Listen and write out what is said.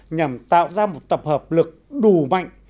nhằm tạo ra một tập hợp lực đủ mạnh